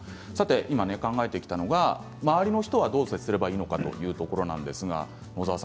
今、考えてきたのは周りの人はどう接すればいいのかというところでした。